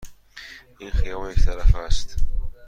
این خیابان یک طرفه است.